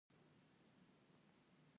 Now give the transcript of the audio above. کاري پلان عنوان او کاري اهداف لري.